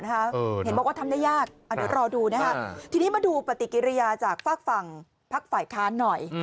เห็นบอกว่าทำได้ยากเดี๋ยวรอดูนะครับทีนี้มาดูปฏิกิริยาจากฝากฝั่งพักฝ่ายค้านหน่อย